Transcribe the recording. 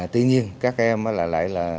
tuy nhiên các em lại là